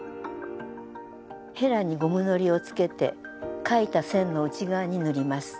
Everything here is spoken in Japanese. へらにゴムのりをつけて書いた線の内側に塗ります。